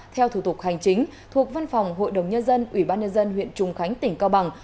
theo thủ tục hành chính thuộc văn phòng hội đồng nhân dân ủy ban nhân dân huyện trùng khánh tỉnh cao bằng